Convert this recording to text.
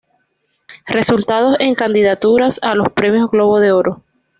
Resultados en candidaturas a los Premios Globo de Oro.